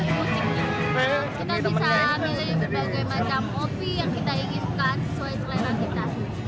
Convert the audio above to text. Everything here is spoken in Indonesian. kita bisa milih berbagai macam kopi yang kita inginkan sesuai selera kita